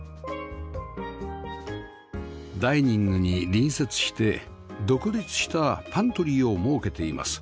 ダイニングに隣接して独立したパントリーを設けています